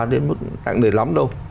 đến mức nặng nề lắm đâu